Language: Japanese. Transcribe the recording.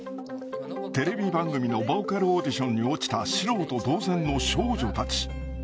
テレビ番組のボーカルオーディションに落ちた素人同然の少女たち。